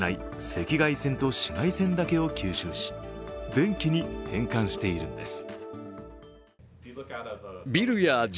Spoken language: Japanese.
赤外線と紫外線だけを吸収し、電気に変換しているのです。